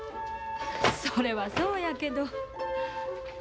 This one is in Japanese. それはそうやけど。